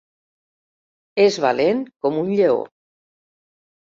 És valent com un lleó.